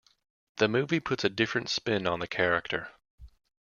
The movie puts a different spin on the character.